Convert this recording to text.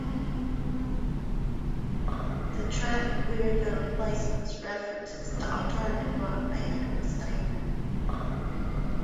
The track "We're The Replacements" references the alternative rock band of the same name.